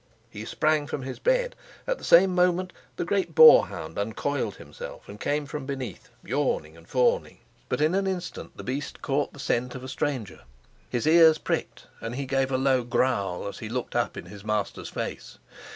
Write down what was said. He sprang from his bed; at the same moment the great boar hound uncoiled himself and came from beneath, yawning and fawning. But in an instant the beast caught the scent of a stranger: his ears pricked and he gave a low growl, as he looked up in his master's face.